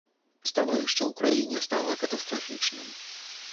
Становішча ў краіне стала катастрафічным.